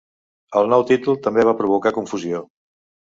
El nou títol també va provocar confusió.